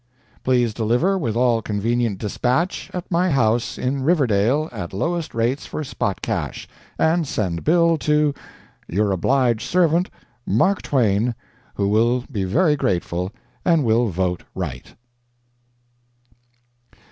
Please deliver with all convenient despatch at my house in Riverdale at lowest rates for spot cash, and send bill to Your obliged servant, Mark Twain, Who will be very grateful, and will vote right.